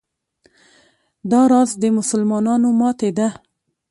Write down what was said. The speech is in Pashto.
دا راز د مسلمانانو ماتې ده.